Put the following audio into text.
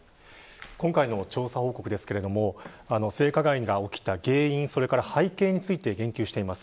今回の調査報告ですが性加害が起きた原因それから背景について研究しています。